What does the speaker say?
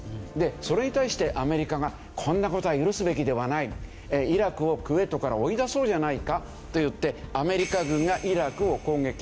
それに対してアメリカが「こんな事は許すべきではない」「イラクをクウェートから追い出そうじゃないか」と言ってアメリカ軍がイラクを攻撃した。